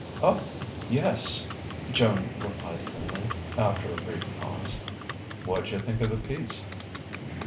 "Oh, yes," Joan replied evenly, after a brief pause. "Wha'd you think of the piece?"